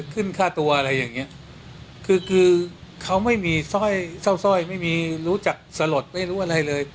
คือเขาไม่มีซ่อส้อยไม่มีรู้จักสลดไม่รู้อะไรเลย